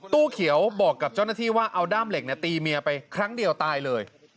ตู้เขียวบอกกับเจ้าหน้าที่ว่าเอาด้ามเหล็กตีเมียไปครั้งเดียวตายเลย